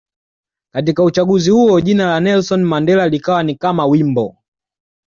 Katika uchaguzi huo jina la Nelson Mandela likawa ni kama wimbo